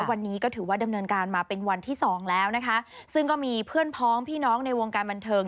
วันนี้ก็ถือว่าดำเนินการมาเป็นวันที่สองแล้วนะคะซึ่งก็มีเพื่อนพ้องพี่น้องในวงการบันเทิง